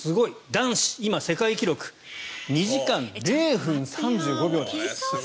男子、今世界記録２時間０分３５秒です。